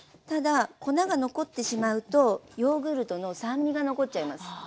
ただ粉が残ってしまうとヨーグルトの酸味が残っちゃいます。